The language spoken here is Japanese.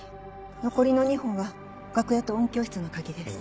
残りの２本は楽屋と音響室の鍵です。